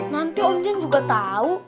nanti om jin juga tau